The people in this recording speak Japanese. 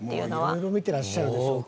色々見てらっしゃるでしょうから。